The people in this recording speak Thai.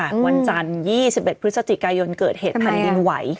วันจันทร์๒๑พฤศจิกายนเกิดเหตุแผ่นดินไหว